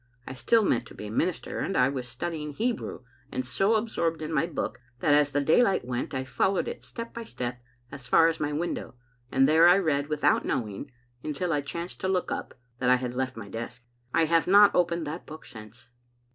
I still meant to be a minister, and I was studying Hebrew, and so absorbed in my book that as the daylight went, I followed it step by step as far as my window, and there I read, without knowing, until I chanced to look up, that I had left my desk. I have not opened that book since.